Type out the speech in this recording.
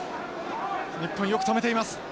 日本よく止めています。